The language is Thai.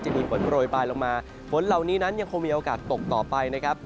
จะมีฝนโรยปลายลงมาฝนเหล่านี้นั้นยังคงมีโอกาสตกต่อไปนะครับ